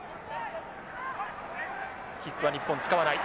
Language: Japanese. キックは日本使わない。